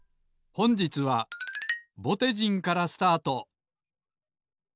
ほんじつはぼてじんからスタート！